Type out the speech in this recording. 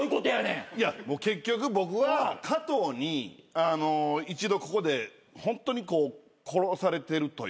いや結局僕は加藤に一度ここでホントに殺されてるというか。